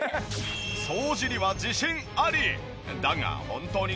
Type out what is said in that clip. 掃除には自信あり！